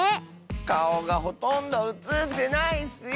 かおがほとんどうつってないッスよ。